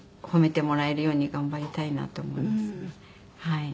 褒めてもらえるように頑張りたいなと思いますね。